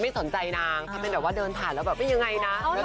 ไม่สนใจนางถ้าเป็นแบบว่าเดินผ่านแล้วแบบไม่ยังไงนะ